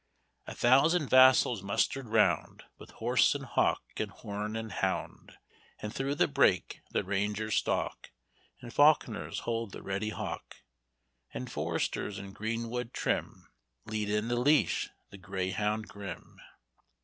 'A thousand vassals mustered round With horse, and hawk, and horn, and hound; And through the brake the rangers stalk, And falc'ners hold the ready hawk; And foresters in green wood trim Lead in the leash the greyhound grim."